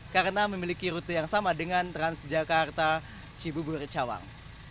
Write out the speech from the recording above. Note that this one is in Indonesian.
karena memiliki rute yang sama dengan transjakarta cibubur kecawang